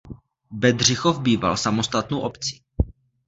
Bedřichov býval samostatnou obcí.